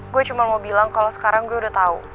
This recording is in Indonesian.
gue cuma mau bilang kalau sekarang gue udah tau